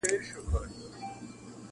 چي په تا یې رنګول زاړه بوټونه-